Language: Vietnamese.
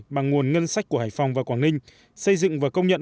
bằng nguồn ngân sách của hải phòng và quảng ninh xây dựng và công nhận